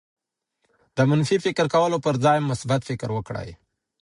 د منفي فکر کولو پر ځای مثبت فکر وکړئ.